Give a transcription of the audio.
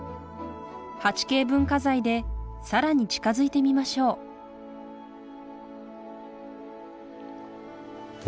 ８Ｋ文化財で更に近づいてみましょうおお。